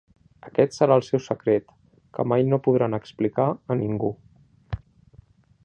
Aquest serà el seu secret, que mai no podran explicar a ningú.